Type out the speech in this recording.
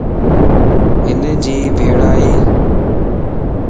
ھن جي ڀيڙائي؟